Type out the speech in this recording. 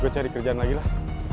gue cari kerjaan lagi lah